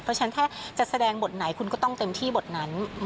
เพราะฉะนั้นถ้าจะแสดงบทไหนคุณก็ต้องเต็มที่บทนั้น